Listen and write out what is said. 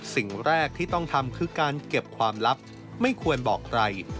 สิ่งแรกที่ต้องทำคือการเก็บความลับไม่ควรบอกใคร